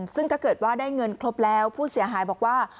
ซึ่งถ้าเกิดว่าได้เงินครบแล้วผู้เสียหายบอกว่า